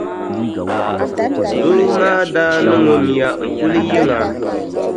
Doo maa daa niŋ o mia n-kuli yiŋa.